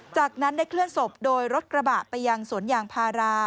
จากนั้นได้เคลื่อนศพโดยรถกระบะไปยังสวนยางพารา